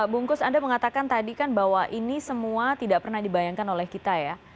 bungkus anda mengatakan tadi kan bahwa ini semua tidak pernah dibayangkan oleh kita ya